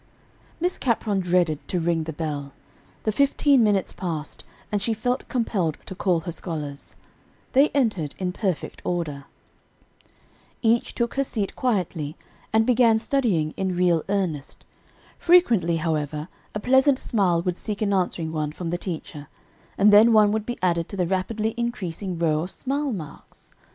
Miss Capron dreaded to ring the bell. The fifteen minutes passed, and she felt compelled to call her scholars. They entered in perfect order. [Illustration: "She felt compelled to call her scholars."] Each took her seat quietly and began studying in real earnest. Frequently, however, a pleasant smile would seek an answering one from the teacher, and then one would be added to the rapidly increasing row of smile marks.